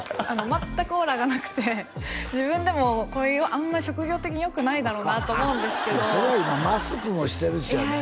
全くオーラがなくて自分でもあんまり職業的によくないだろうなと思うんですけどそれは今マスクもしてるしやね